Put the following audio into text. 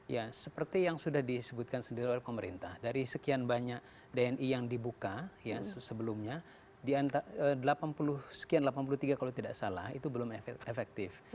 ya seperti yang sudah disebutkan sendiri oleh pemerintah dari sekian banyak dni yang dibuka ya sebelumnya sekian delapan puluh tiga kalau tidak salah itu belum efektif